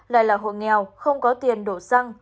lại là hộ nghèo không có tiền đổ xăng